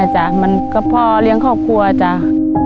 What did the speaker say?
แยกก็เพื่อเลี้ยงแบบครอบครัว